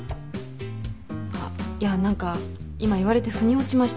あっいや何か今言われてふに落ちました。